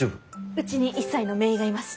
うちに１歳の姪がいます。